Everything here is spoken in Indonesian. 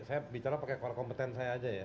saya bicara pakai kompeten saya aja ya